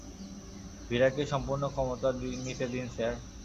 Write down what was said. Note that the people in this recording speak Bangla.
ভীরাকে সম্পূর্ণ ক্ষমতা নিতে দিন স্যার।